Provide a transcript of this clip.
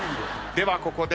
ではここで。